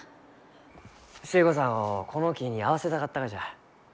寿恵子さんをこの木に会わせたかったがじゃ。